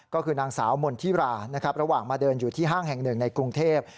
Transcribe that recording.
ก็คือนางสาวมณฑิรานะครับระหว่างมาเดินอยู่ที่ห้างแห่งหนึ่งในกรุงเทพ